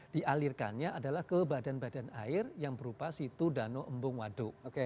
dialirkannya adalah ke badan badan air yang berupa situ danau embung waduk